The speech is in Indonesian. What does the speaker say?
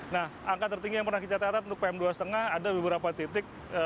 nah angka tertinggi yang pernah kita catat untuk pm dua lima ada beberapa titik